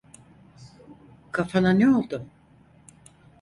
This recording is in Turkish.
Kafana ne oldu?